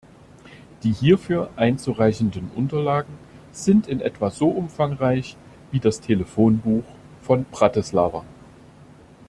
Die hierfür einzureichenden Unterlagen sind in etwa so umfangreich wie das Telefonbuch von Bratislava.